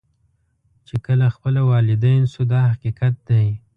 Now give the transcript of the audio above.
چې کله خپله والدین شو دا حقیقت دی.